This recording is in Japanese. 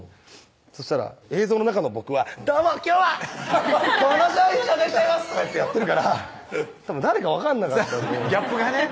そしたら映像の中の僕は「どうも！今日はこの商品紹介しちゃいます！」とか言ってやってるからたぶん誰か分かんなかったんでギャップがね